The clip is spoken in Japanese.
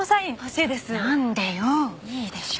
いいでしょ！